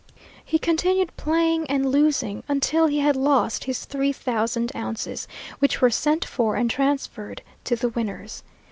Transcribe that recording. He continued playing and losing, until he had lost his three thousand ounces, which were sent for and transferred to the winners.